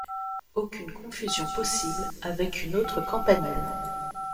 Aucune confusion possible avec une autre campanule.